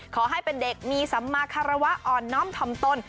ขอให้เป็นเด็กมีสัมมาคารวะอ่อนน้อมถ่อมตน